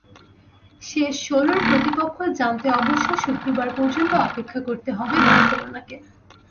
শেষ ষোলোর প্রতিপক্ষ জানতে অবশ্য শুক্রবার পর্যন্ত অপেক্ষা করতে হবে বার্সেলোনাকে।